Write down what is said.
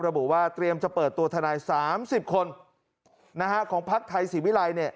ระบุว่าเตรียมจะเปิดตัวทนาย๓๐คนของพักไทยศรีวิรัยเนี่ย